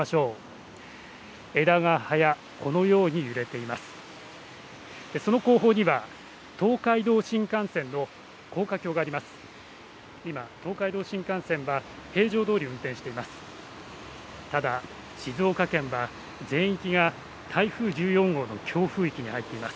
今、東海道新幹線は平常どおり運転しています。